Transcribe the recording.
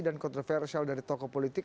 dan kontroversial dari tokoh politik